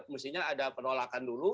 mestinya ada penolakan dulu